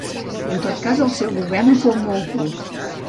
En tot cas el seu govern fou molt curt.